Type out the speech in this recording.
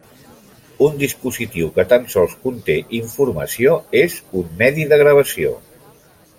Un dispositiu que tan sols conté informació és un medi de gravació.